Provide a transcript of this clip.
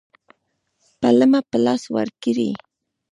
پلمه په لاس ورکړي.